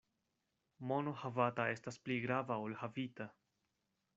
Mono havata estas pli grava ol havita.